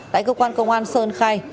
tại cơ quan công an sơn khai